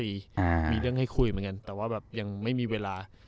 มีเรื่องให้คุยเหมือนกันแต่ว่าแบบยังไม่มีเวลา